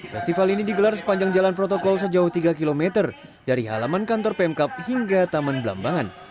festival ini digelar sepanjang jalan protokol sejauh tiga km dari halaman kantor pemkap hingga taman belambangan